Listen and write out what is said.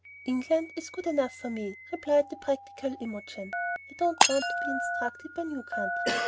"England is good enough for me," replied the practical Imogen. "I don't want to be instructed by new countries.